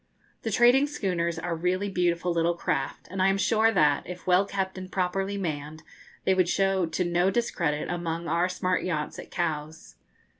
The trading schooners are really beautiful little craft, and I am sure that, if well kept and properly manned, they would show to no discredit among our smart yachts at Cowes.